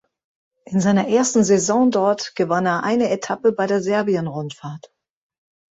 In seiner ersten Saison dort gewann er eine Etappe bei der Serbien-Rundfahrt.